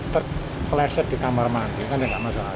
terleset di kamar mandi kan dia nggak masuk akal